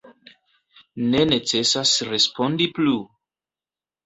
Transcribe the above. Ne necesas respondi plu!